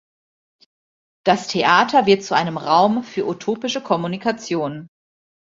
Das Theater wird zu einem Raum für utopische Kommunikation.